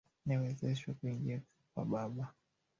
Nimewezeshwa kuingia kwa baba.